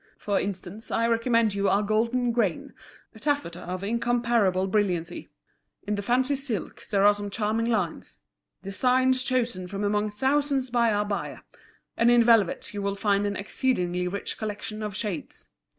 "For instance, I recommend you our Golden Grain, a taffeta of incomparable brilliancy. In the fancy silks there are some charming lines, designs chosen from among thousands by our buyer: and in velvets you will find an exceedingly rich collection of shades.